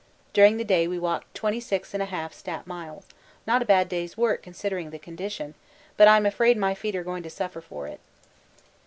During the day we walked 26 1/2 stat. miles, not a bad day's work considering condition, but I'm afraid my feet are going to suffer for it.